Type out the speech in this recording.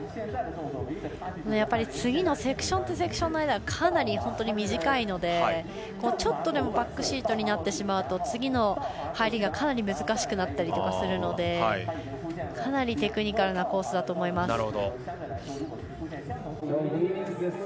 次のセクションとセクションの間かなり本当に短いのでちょっとでもバックシートになると次の入りがかなり難しくなったりするのでかなりテクニカルなコースだと思います。